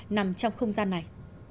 nằm trong không gian này